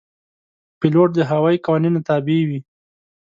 پیلوټ د هوايي قوانینو تابع وي.